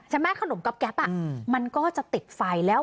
ฉะนั้นแม้ขนมก๊อบแก๊บอ่ะอืมมันก็จะติดไฟแล้ว